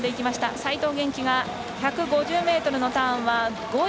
齋藤元希が１５０のターンは５位。